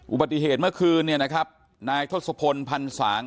อุบัติเหตุเมื่อคืนเนี่ยนะครับนายทศพลพันสาง